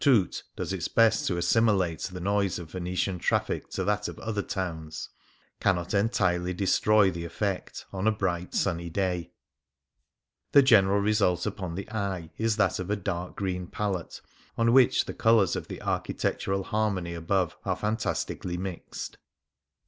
toot !" does its best to assimilate the noise of Venetian traffic to that of other towns) cannot entirely destroy the effect, on a bright sunny day. The general result upon the eye is that of a dark green palette on which the colours of the architectural harmony above are fantastically mixed.